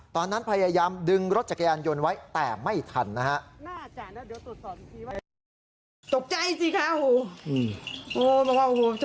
ตอนนั้นพยายามดึงรถจักรยานยนต์ไว้แต่ไม่ทันนะฮะ